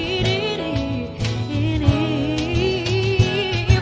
semua rasa ini padamu